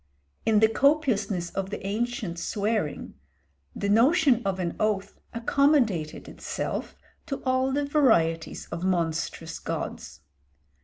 In the copiousness of the ancient swearing the notion of an oath accommodated itself to all the varieties of monstrous gods.